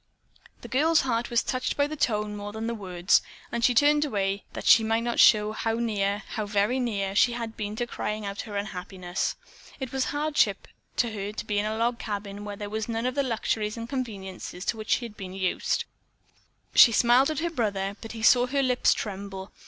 The girl's heart was touched by the tone more than the words, and she turned away that she might not show how near, how very near, she had been to crying out her unhappiness. It was hardship to her to be in a log cabin where there were none of the luxuries and conveniences to which she had been used. She smiled at her brother, but he saw her lips tremble.